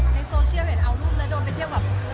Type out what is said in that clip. ในโซเชียลเห็นเอารูปแล้วโดนไปเที่ยวแบบ